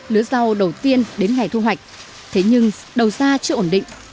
lứa rau đầu tiên đến ngày thu hoạch thế nhưng đầu ra chưa ổn định